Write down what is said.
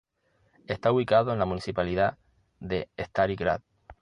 Está ubicado en la municipalidad de Stari Grad.